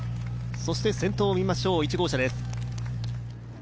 先頭を見ましょう、１号車です。